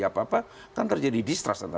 apa apa kan terjadi distrust